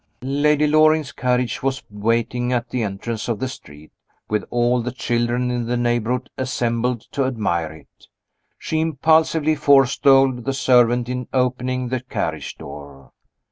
Lady Loring's carriage was waiting at the entrance of the street, with all the children in the neighborhood assembled to admire it. She impulsively forestalled the servant in opening the carriage door.